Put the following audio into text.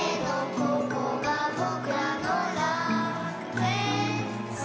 「ここがぼくらの楽園さ」